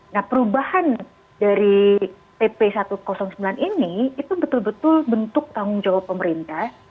nah perubahan dari pp satu ratus sembilan ini itu betul betul bentuk tanggung jawab pemerintah